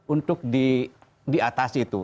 untuk di atas itu